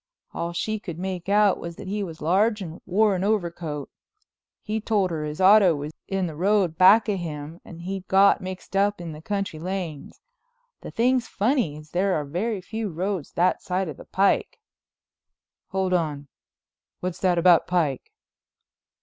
All she could make out was that he was large and wore an overcoat. He told her his auto was in the road back of him and he'd got mixed up in the country lanes. The thing's funny, as there are very few roads that side of the pike." "Hold on—what's that about pike?"